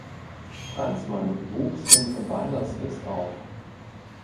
Franzmann wuchs in Weilerswist auf.